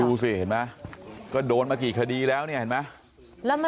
ดูสิเห็นไม่ค่ะก็โดนมากี่คดีแล้วเนี่ยนี่เห็นมั้ย